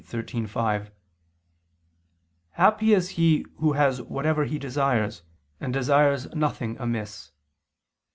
xiii, 5), "happy is he who has whatever he desires, and desires nothing amiss."